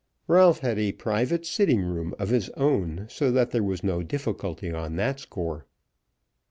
Ralph had a private sitting room of his own, so that there was no difficulty on that score.